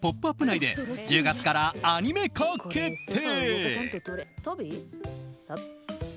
内で１０月からアニメ化決定！